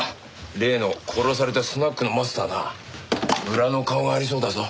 例の殺されたスナックのマスターな裏の顔がありそうだぞ。